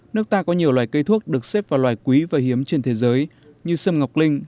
nước ta có nhiều loài cây thuốc được xếp vào loài quý và hiếm trên thế giới như sâm ngọc linh